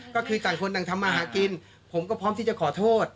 ก็คือต่างคนต่างทำมาหากินผมก็พร้อมที่จะขอโทษ